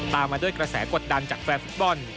มาด้วยกระแสกดดันจากแฟนฟุตบอล